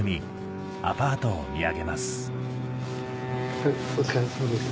はいお疲れさまでした。